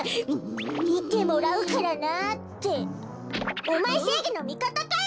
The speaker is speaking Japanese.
「みてもらうからな」っておまえせいぎのみかたかよ！